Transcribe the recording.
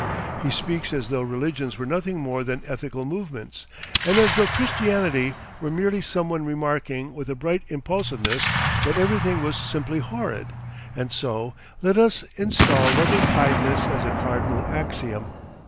He speaks as though religions were nothing more than ethical movements, and as though Christianity were merely someone remarking with a bright impulsiveness that everything was simply horrid, and so, "Let us instal loving kindness as a cardinal axiom."